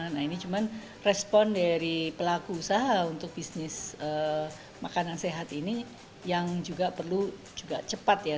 nah ini cuma respon dari pelaku usaha untuk bisnis makanan sehat ini yang juga perlu juga cepat ya